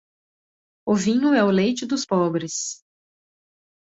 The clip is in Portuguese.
O vinho é o leite dos pobres.